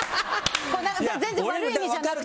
全然悪い意味じゃなくて。